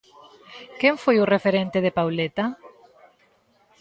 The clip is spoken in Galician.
Quen foi o referente de Pauleta?